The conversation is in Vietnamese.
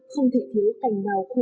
không thể thiếu cảnh đào